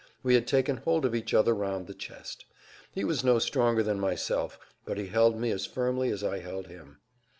We had taken hold of each other round the chest. He was no stronger than myself, but he held me as firmly as I held him.